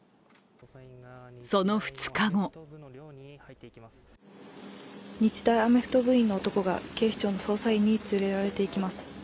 その２日後日大アメフト部員の男が警視庁捜査員に連れられていきます。